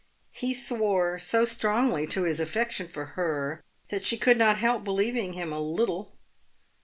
He swore so strongly to his affection for her that she could not help believing him a little.